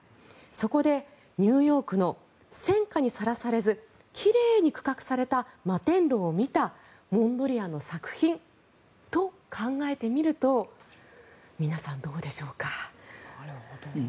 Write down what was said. そこでニューヨークの戦火にさらされず奇麗に区画された摩天楼を見たモンドリアンの作品と考えてみると皆さん、どうでしょうか。